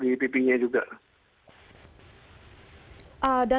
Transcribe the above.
dan bagaimana dengan kondisi novel baswedan